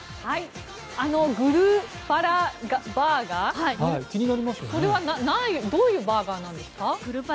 グルパラバーガーはどういうバーガーなんですか？